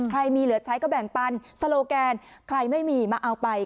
ใครมีเหลือใช้ก็แบ่งปันโซโลแกนใครไม่มีมาเอาไป